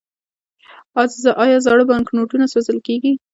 آیا زاړه بانکنوټونه سوځول کیږي؟